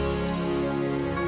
man bangku man